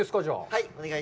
はい。